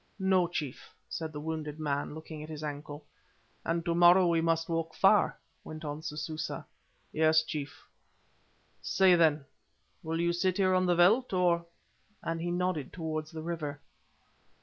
"No, chief," said the wounded man, looking at his ankle. "And to morrow we must walk far," went on Sususa. "Yes, chief." "Say, then, will you sit here on the veldt, or——" and he nodded towards the river.